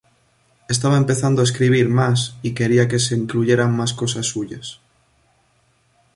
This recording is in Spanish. Estaba empezando a escribir más y quería que se incluyeran más cosas suyas"".